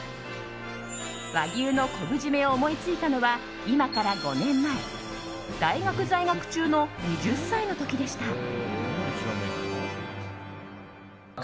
和牛の昆布〆を思いついたのは今から５年前大学在学中の２０歳の時でした。